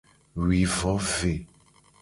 Wi vo ve.